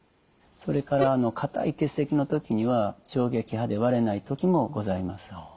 それから硬い結石の時には衝撃波で割れない時もございます。